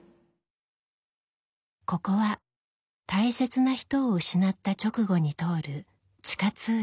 ここは大切な人を失った直後に通る地下通路。